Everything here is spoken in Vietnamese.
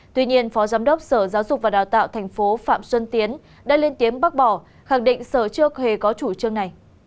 tuy nhiên phó giám đốc sở giáo dục và đào tạo tp phạm xuân tiến đã lên tiếng bác bỏ khẳng định sở chưa hề có chủ trương này